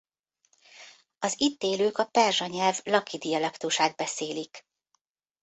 Az itt élők a perzsa nyelv laki dialektusát beszélik.